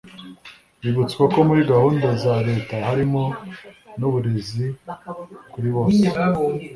Bibutswa ko muri gahunda za Leta harimo n’uburezi kuri bose